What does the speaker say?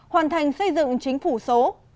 hoàn thành xây dựng chính phủ số